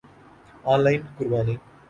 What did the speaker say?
on line قربانی